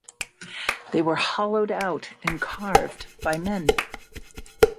They were hollowed out and carved by men.